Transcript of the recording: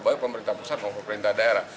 baik pemerintah pusat maupun pemerintah daerah